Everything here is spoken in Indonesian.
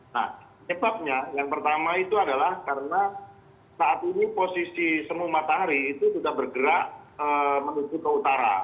nah penyebabnya yang pertama itu adalah karena saat ini posisi semu matahari itu sudah bergerak menuju ke utara